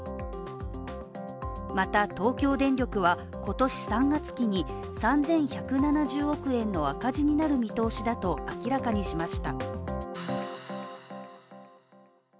また、東京電力は今年３月期に３１７０億円の赤字になる見通しだと明らかにしました。